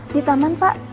di taman pak